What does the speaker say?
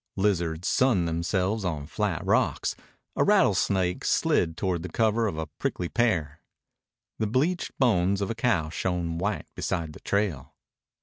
Lizards sunned themselves on flat rocks. A rattlesnake slid toward the cover of a prickly pear. The bleached bones of a cow shone white beside the trail.